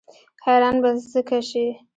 حیران به ځکه شي.